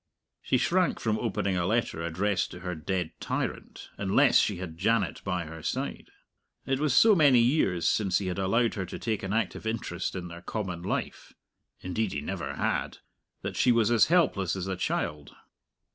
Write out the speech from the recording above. She shrank from opening a letter addressed to her dead tyrant, unless she had Janet by her side. It was so many years since he had allowed her to take an active interest in their common life (indeed he never had) that she was as helpless as a child.